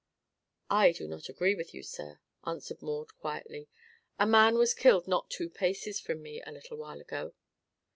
"I do not agree with you, sir," answered Maud quietly. "A man was killed not two paces from me, a little while ago."